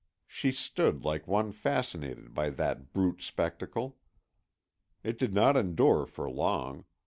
She stood like one fascinated by that brute spectacle. It did not endure for long.